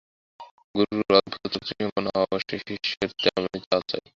গুরুর অদ্ভুত শক্তিসম্পন্ন হওয়া আবশ্যক, শিষ্যেরও তেমনি হওয়া চাই।